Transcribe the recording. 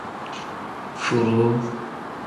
Furuu.